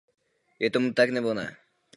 Můžeme si tak vytvářet časované bomby.